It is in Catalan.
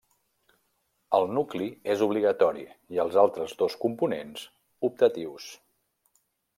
El nucli és obligatori i els altres dos components, optatius.